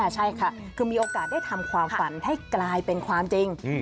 ใช่ค่ะคือมีโอกาสได้ทำความฝันให้กลายเป็นความจริง